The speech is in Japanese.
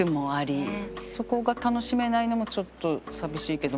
そこが楽しめないのもちょっと寂しいけども。